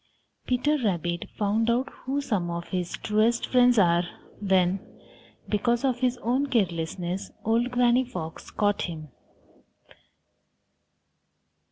Peter Rabbit found out who some of his truest friends are when, because of his own carelessness, old Granny Fox caught him.